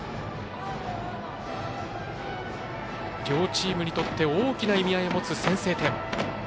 両チームにとって大きな意味合いを持つ先制点。